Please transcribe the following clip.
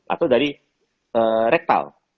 atau dari rektal